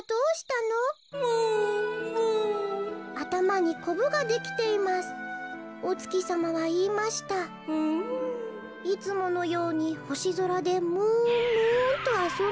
「あたまにこぶができていますおつきさまはいいましたいつものようにほしぞらでムーンムーンとあそんでいたら」。